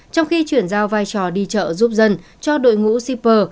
trong khi chuyển giao vai trò đi chợ giúp dân cho đội ngũ shipper